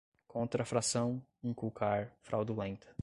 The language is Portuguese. contrafração, inculcar, fraudulenta